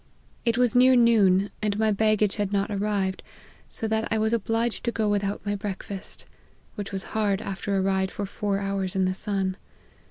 It was near noon, and my baggage had not arrived ; so that I was obliged to go without my breakfast ; which was hard after a ride for four hours in the sun.